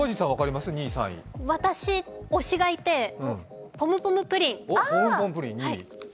私推しがいてポムポムプリン。